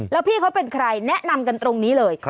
แล้วพี่เขาเป็นใครแนะนำกันตรงนี้เลย